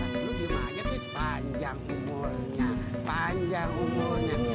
lu gimana cis panjang umurnya panjang umurnya